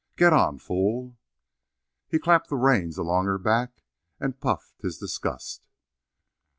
Git on, fool." He clapped the reins along her back, and puffed his disgust.